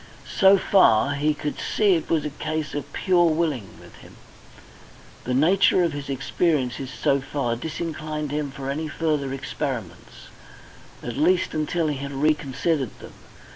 So far, he could see it was a case of pure willing with him. The nature of his experiences so far disinclined him for any further experiments, at least until he had reconsidered them.